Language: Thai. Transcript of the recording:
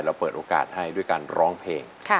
เปิดโอกาสให้ด้วยการร้องเพลง